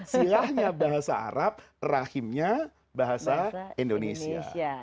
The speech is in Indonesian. silahnya bahasa arab rahimnya bahasa indonesia